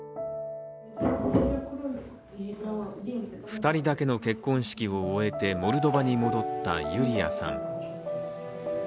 ２人だけの結婚式を終えてモルドバに戻ったユリアさん。